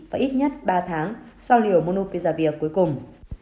và ít nhất ba tháng sau liều pizabia cuối cùng